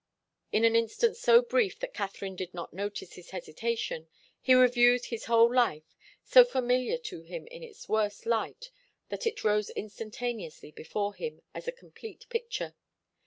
In an instant so brief that Katharine did not notice his hesitation he reviewed his whole life, so familiar to him in its worse light that it rose instantaneously before him as a complete picture.